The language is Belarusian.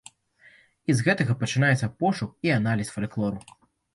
І з гэтага пачынаецца пошук і аналіз фальклору.